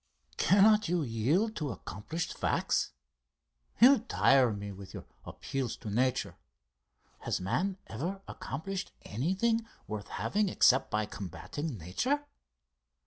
"Cannot you yield to accomplished facts? You tire me with your appeals to Nature. Has man ever accomplished anything worth having except by combating Nature?